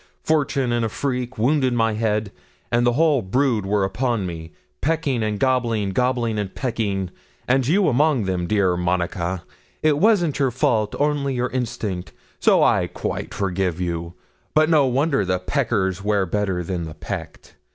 Fortune, in a freak, wounded my head, and the whole brood were upon me, pecking and gobbling, gobbling and pecking, and you among them, dear Monica. It wasn't your fault, only your instinct, so I quite forgive you; but no wonder the peckers wear better than the pecked.